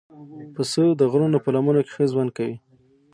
پسه د غرونو په لمنو کې ښه ژوند کوي.